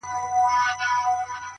پوهه د انسان تلپاتې سرمایه ده،